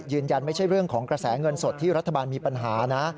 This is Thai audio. ยืนยันไม่ใช่เรื่องของกระแสเงินสดที่รัฐบาลมีปัญหานะ